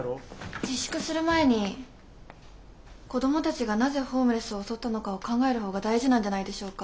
自粛する前に子供たちがなぜホームレスを襲ったのかを考える方が大事なんじゃないでしょうか。